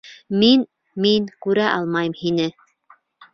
Мин... мин күрә алмайым һине!